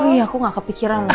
wih aku enggak kepikiran